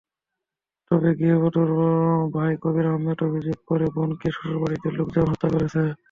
তবে গৃহবধূর ভাই কবির আহমদের অভিযোগ, তাঁর বোনকে শ্বশুরবাড়ির লোকজন হত্যা করেছে।